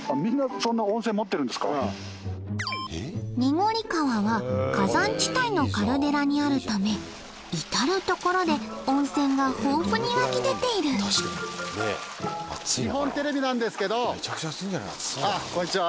濁川は火山地帯のカルデラにあるため至る所で温泉が豊富に湧き出ている日本テレビなんですけどあっこんにちは。